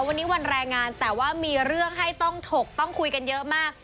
วันนี้วันแรงงานแต่ว่ามีเรื่องให้ต้องถกต้องคุยกันเยอะมาก